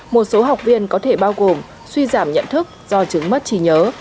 một số học viên có thể bao gồm suy giảm nhận thức do chứng mất trí nhớ